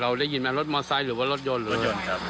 เราได้ยินมั้ยรถมอสไซด์หรือว่ารถยนต์